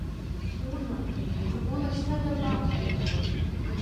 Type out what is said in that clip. Унан, ҳгәыла шьҭа дабаҟоу?